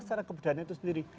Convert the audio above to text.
secara kebudayaan itu sendiri